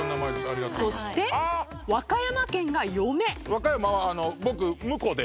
和歌山は僕婿で。